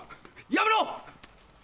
やめろ！